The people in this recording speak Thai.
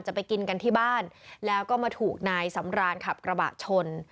ไปกินกันที่บ้านแล้วก็มาถูกนายสำรานขับกระบะชน